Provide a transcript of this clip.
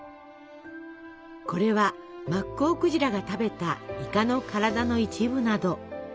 これはマッコウクジラが食べたイカの体の一部など。